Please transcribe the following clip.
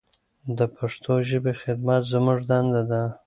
د پښتو ژبې خدمت زموږ دنده ده.